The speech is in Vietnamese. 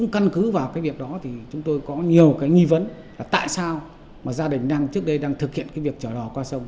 căn cứ vào việc đó chúng tôi có nhiều nghi vấn là tại sao gia đình trước đây đang thực hiện việc trở đò qua sông